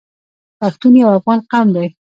پښتون یو افغان قوم دی.